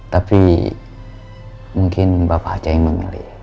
tapi mungkin bapak saja yang memilih